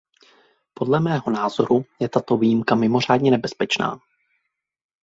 Podle mého názoru je tato výjimka mimořádně nebezpečná.